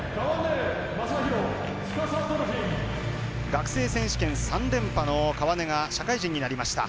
学生選手権３連覇の川根が社会人になりました。